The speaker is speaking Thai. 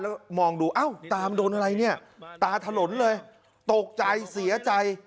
แล้วมองดูอ้าวตามโดนอะไรเนี่ยตาถลนเลยตกใจเสียใจ